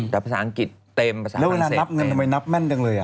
แต่ภาษาอังกฤษเต็มภาษาแล้วเวลานับเงินทำไมนับแม่นจังเลย